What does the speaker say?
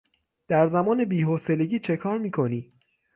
در زمان بی حوصلگی چه کار میکنی؟